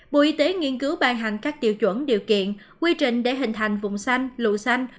bộ y tế nghiên cứu ban hành các tiêu chuẩn điều kiện quy trình để hình thành vùng xanh lụa xanh